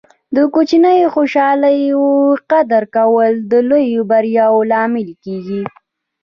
د کوچنیو خوشحالۍو قدر کول د لویو بریاوو لامل کیږي.